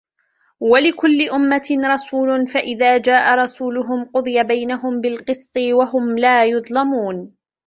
وَلِكُلِّ أُمَّةٍ رَسُولٌ فَإِذَا جَاءَ رَسُولُهُمْ قُضِيَ بَيْنَهُمْ بِالْقِسْطِ وَهُمْ لَا يُظْلَمُونَ